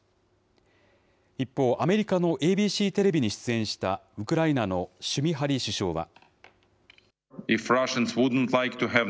一方、アメリカのＡＢＣテレビに出演した、ウクライナのシュミハリ首相は。